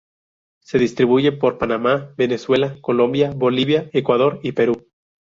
Se distribuye por Panamá, Venezuela, Colombia, Bolivia, Ecuador y Perú.